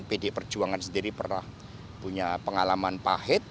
pdi perjuangan sendiri pernah punya pengalaman pahit